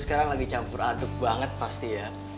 sekarang lagi campur aduk banget pasti ya